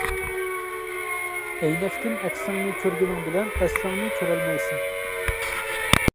ئەينەكتىن ئەكسىڭنى كۆرگىنىڭ بىلەن، ئەسلىڭنى كۆرەلمەيسەن.